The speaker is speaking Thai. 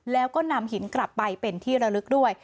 แล้วก็นำหินกลับไปเป็นที่ระลึกด้วย